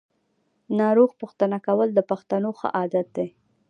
ناروغ پوښتنه کول د پښتنو ښه عادت دی.